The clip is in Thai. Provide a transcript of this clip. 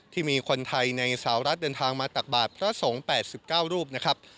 ที่มีคนไทยในสาวรัฐเดินทางมาตักบาทพระสงฆ์๘๙รูปนะครับ